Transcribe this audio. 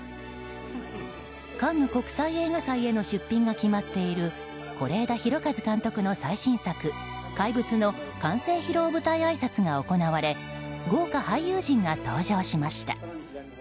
カンヌ国際映画祭への出品が決まっている是枝裕和監督の最新作「怪物」の完成披露舞台あいさつが行われ豪華俳優陣が登場しました。